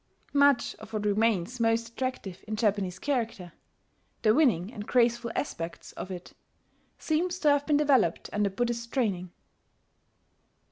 Much of what remains most attractive, in Japanese character the winning and graceful aspects of it seems to have been developed under Buddhist training.